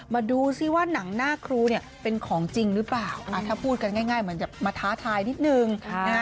มาดูซิว่าหนังหน้าครูเนี่ยเป็นของจริงหรือเปล่าถ้าพูดกันง่ายเหมือนจะมาท้าทายนิดนึง